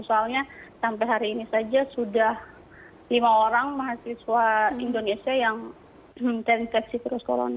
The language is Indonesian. soalnya sampai hari ini saja sudah lima orang mahasiswa indonesia yang terinfeksi virus corona